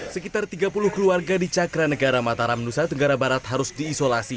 sekitar tiga puluh keluarga di cakra negara mataram nusa tenggara barat harus diisolasi